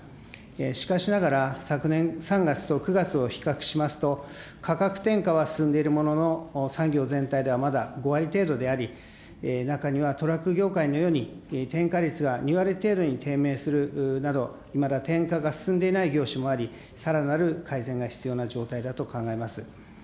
しかしながら、昨年３月と９月を比較しますと、価格転嫁は進んでいるものの、産業全体ではまだ５割程度であり、中にはトラック業界のように、転嫁率が２割程度に低迷するなど、まだ転嫁が進んでいない業種もあり、さらなる改善が必要な状態だと考えます。